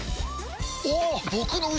おっ！